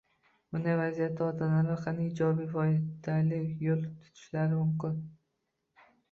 Bunday vaziyatda ota-onalar qanday ijobiy, foydali yo‘l tutishlari mumkin?